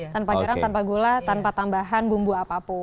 tanpa jarang tanpa gula tanpa tambahan bumbu apapun